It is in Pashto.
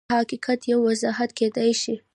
دغه حقیقت یو وضاحت کېدای شي